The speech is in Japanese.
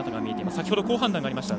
先ほど好判断がありました。